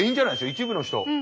一部の人。